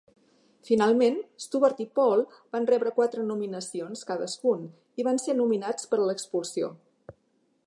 Finalment, Stuart i Paul van rebre quatre nominacions cadascun i van ser nominats per a l'expulsió.